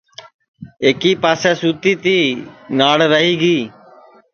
ایکی پاسے سُتی تی ناݪ رہی گی